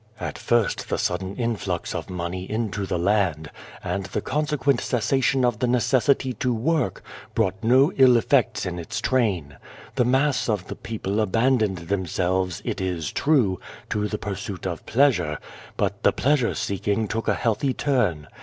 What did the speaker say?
" At first the sudden influx of money into the land, with the consequent cessation of the necessity to work, brought no ill effects in its train. The mass of the people abandoned themselves, it is true, to the pursuit of pleasure, but the pleasure seeking took a healthy turn.